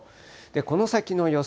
この先の予想